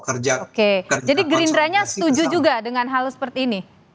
oke jadi gerindranya setuju juga dengan hal seperti ini